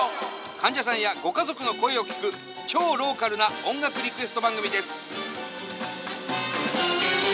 患者さんやご家族の声を聞く超ローカルな音楽リクエスト番組です。